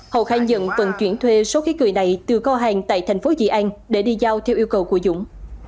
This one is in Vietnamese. hậu khang dận vẫn chuyển thuê số khí cười này từ kho hàng tại tp di an để đi giao theo yêu cầu của dũng